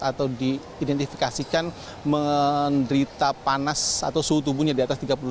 atau diidentifikasikan menderita panas atau suhu tubuhnya di atas tiga puluh delapan